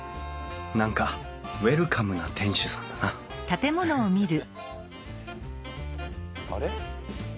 何かウェルカムな店主さんだなあれ？